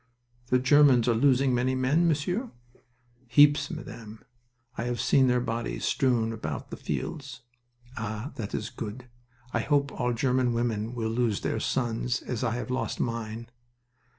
"The Germans are losing many men, Monsieur?" "Heaps, Madame. I have seen their bodies strewn about the fields." "Ah, that is good! I hope all German women will lose their sons, as I have lost mine."